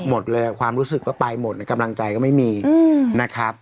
หมดเลยความรู้สึกก็ไปหมดกำลังใจก็ไม่มีนะครับ